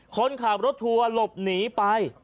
คนขับรถทัวร์หลบหนีไป